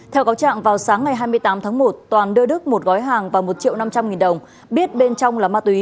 theo cáo trạng vào sáng ngày hai mươi tám tháng một toàn đưa đức một gói hàng và một triệu năm trăm linh nghìn đồng biết bên trong là ma túy